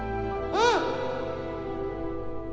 うん！